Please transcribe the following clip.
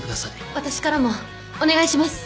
私からもお願いします。